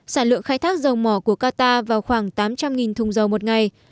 sản lượng khai thác dầu mỏ của qatar vào khoảng tám trăm linh thùng dầu một ngày